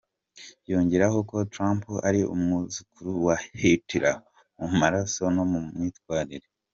Yongeraho ko Trump ari umwuzukuru wa Hitler mu maraso no mu myitwarire.